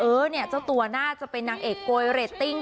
เออเนี่ยเจ้าตัวน่าจะเป็นนางเอกโกยเรตติ้ง